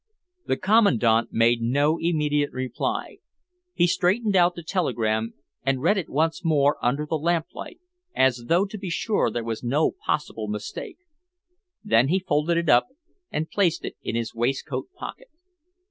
The Commandant made no immediate reply. He straightened out the telegram and read it once more under the lamplight, as though to be sure there was no possible mistake. Then he folded it up and placed it in his waistcoat pocket.